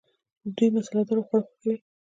دوی مساله دار خواړه خوښوي.